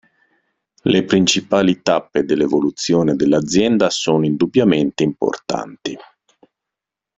Le principali tappe dell'evoluzione dell'azienda sono indubbiamente importanti.